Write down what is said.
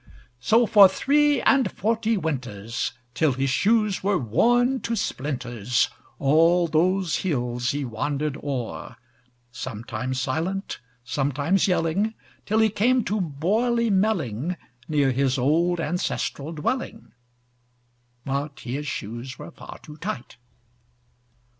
So for three and forty winters, Till his shoes were worn to splinters, All those hills he wander'd o'er, Sometimes silent; sometimes yelling; Till he came to Borley Melling, Near his old ancestral dwelling (But his shoes were far too tight).